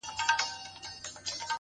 خبرېږم زه راته ښېراوي كوې’